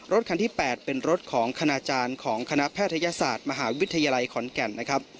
รถคันที่๘เป็นรถของคณาจารย์ของคณะแพทยศาสตร์มหาวิทยาลัยขอนแก่นนะครับ